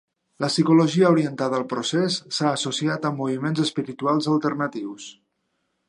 La psicologia orientada al procés, s'ha associat amb moviments espirituals alternatius.